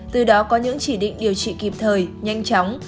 từ đó có những chỉ định điều trị kịp thời nhanh chóng